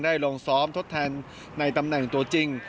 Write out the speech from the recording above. ลงซ้อมทดแทนในตำแหน่งตัวจริง